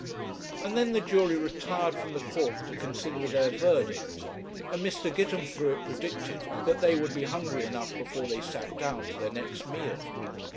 And then the jury retired from the court to consider their verdict, and Mr. Gitemthruet predicted that they would be hungry enough before they sat down to their next meal.